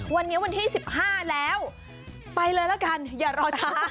วันนี้วันที่๑๕แล้วไปเลยละกันอย่ารอช้า